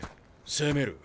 攻める。